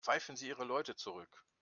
Pfeifen Sie Ihre Leute zurück.